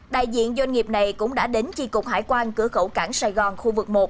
đại diện doanh nghiệp này cũng đã đến chi cục hải quan cửa khẩu cảng sài gòn khu vực một